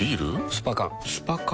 スパ缶スパ缶？